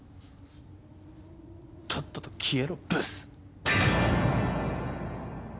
とっとと消えろブス！